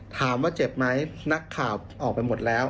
ถามว่าเจ็บไหมนักข่าวออกไปหมดแล้ว